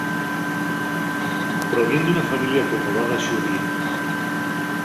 Provién d'una familia acomodada xudía.